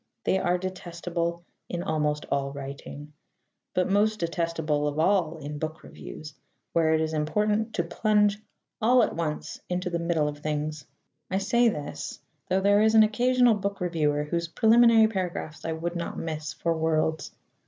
They are detestable in almost all writing, but most detestable of all in book reviews, where it is important to plunge all at once into the middle of things. I say this, though there is an occasional book reviewer whose preliminary paragraphs I would not miss for worlds.